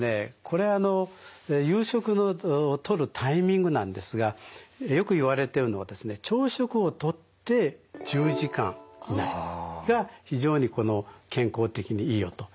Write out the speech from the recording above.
これあの夕食のとるタイミングなんですがよく言われてるのはですね朝食をとって１０時間以内が非常にこの健康的にいいよと。